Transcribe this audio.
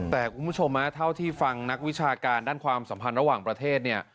แต่คุณผู้ชมเท่าที่ฟังนักวิชาการด้านความสัมพันธ์ระหว่างประเทศเนี่ย